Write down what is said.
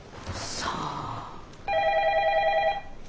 さあ。